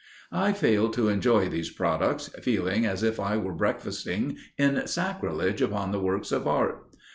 I failed to enjoy these products, feeling as if I were breakfasting in sacrilege upon works of art.